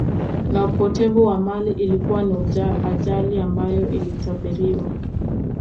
Na upotevu wa mali Ilikuwa ni ajali ambayo ilitabiriwa